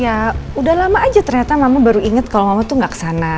ya udah lama aja ternyata mama baru inget kalau mama tuh gak kesana